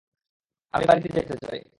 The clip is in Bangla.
আমি বাড়িতে যেতে চাই।